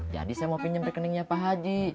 jadi saya mau pinjem rekeningnya pak haji